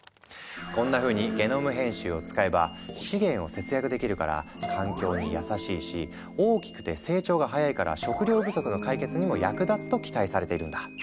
こんなふうにゲノム編集を使えば資源を節約できるから環境に優しいし大きくて成長が早いから食糧不足の解決にも役立つと期待されているんだ。